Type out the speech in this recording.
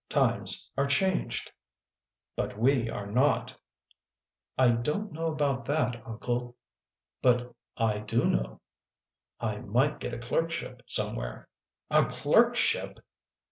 Times are changed. ..."" But we are not." " I don t know about that, Uncle." " But I do know." " I might get a clerkship somewhere." "A clerkship!"